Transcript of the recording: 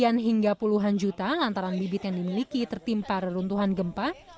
kemudian hingga puluhan juta lantaran bibit yang dimiliki tertimpa reruntuhan gempa